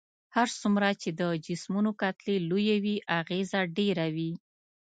هر څومره چې د جسمونو کتلې لويې وي اغیزه ډیره وي.